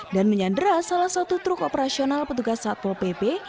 dan menyandera salah satu truk operasional petugas satpol pp